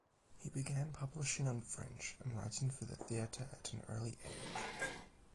He began publishing in French and writing for the theater at an early age.